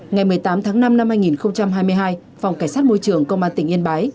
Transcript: ngày một mươi tám tháng năm năm hai nghìn hai mươi hai phòng cảnh sát môi trường công an tỉnh yên bái